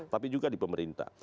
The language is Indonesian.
tapi juga di pemerintah